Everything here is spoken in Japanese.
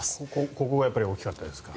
ここがやっぱり大きかったですか。